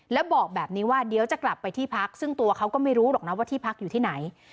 แล้วบอกแบบนี้ว่าเดี๋ยวจะกลับไปที่พักซึ่งตัวเขาก็ไม่รู้หรอกนะว่าที่พักอยู่ที่ไหน